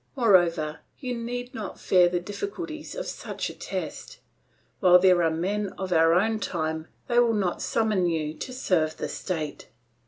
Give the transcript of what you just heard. Moreover, you need not fear the difficulties of such a test; while there are men of our own time, they will not summon you to serve the state."